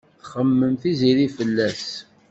Txemmem Tiziri fell-as.